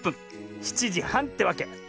７じはんってわけ。